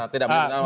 tidak mengerti nama